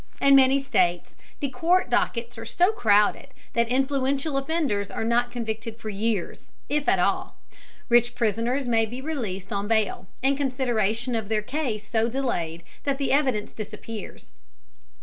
In many states the court dockets are so crowded that influential offenders are not convicted for years, if at all. Rich prisoners may be released on bail, and consideration of their case so delayed that the evidence disappears.